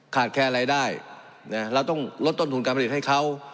ขาดแค่อะไรได้น่ะเราต้องลดต้นทุนการผลิตให้เขา